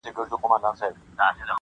نه خاطر گوري د وروڼو نه خپلوانو-